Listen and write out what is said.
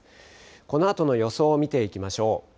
このあとの予想を見ていきましょう。